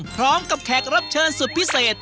พร้อมกับแขกรับเชิญสุดพิเศษ